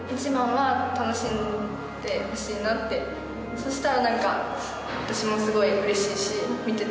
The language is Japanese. そしたら。